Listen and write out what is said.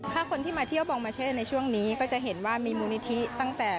ถ้าคนที่มาเที่ยวบองมาเช่ในช่วงนี้ก็จะเห็นว่ามีมูลนิธิตั้งแต่